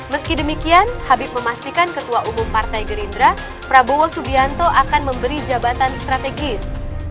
meski demikian habib memastikan ketua umum partai gerindra prabowo subianto akan memberi jabatan strategis